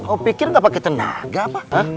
oh pikir nggak pakai tenaga pak